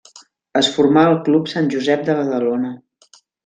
Es formà al Club Sant Josep de Badalona.